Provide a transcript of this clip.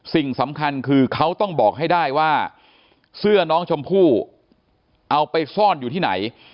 สิ่งสำคัญคือเขาต้องบอกให้ได้ว่าเสื้อน้องชมพู่เอาไปซ่อนอยู่ที่ไหน